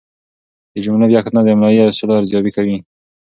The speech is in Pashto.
د جملو بیا کتنه د املايي اصولو ارزیابي کوي.